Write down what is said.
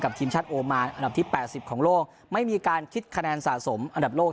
ทีมชาติโอมานอันดับที่๘๐ของโลกไม่มีการคิดคะแนนสะสมอันดับโลก